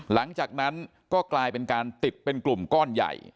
หลังจากนั้นก็กลายเป็นการติดเป็นกลุ่มก้อนใหญ่